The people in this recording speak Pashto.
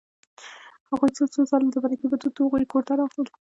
هغوی څو څو ځله د مرکې په دود د هغوی کور ته راغلل